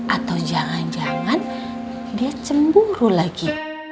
atau jangan jangan dia cemburu lagi